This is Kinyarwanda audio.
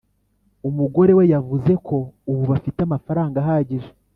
umugore we yavuze ko ubu bafite amafaranga ahagije